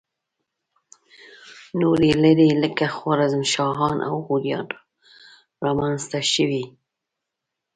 نورې لړۍ لکه خوارزم شاهان او غوریان را منځته شوې.